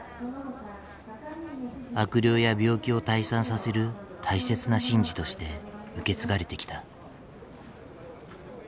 悪霊や病気を退散させる大切な神事として受け継がれてきた。